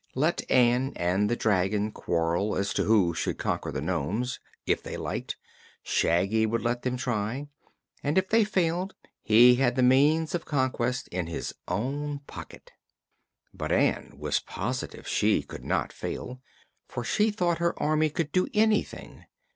Let Ann and the dragon quarrel as to who should conquer the nomes, if they liked; Shaggy would let them try, and if they failed he had the means of conquest in his own pocket. But Ann was positive she could not fail, for she thought her Army could do anything.